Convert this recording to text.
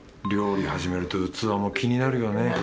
料理始めると器も気になるよね。